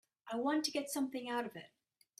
I want to get something out of it.